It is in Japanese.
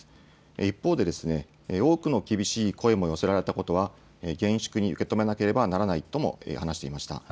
一方で、多くの厳しい声も寄せられたことは、厳粛に受け止めなければならないとも話していました。